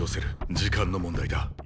時間の問題だ。